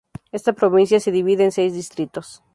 Esta provincia se divide en seis distritos.